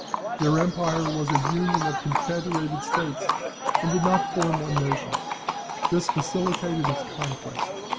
Their empire was a union of confederated states, and did not form one nation; this facilitated its conquest.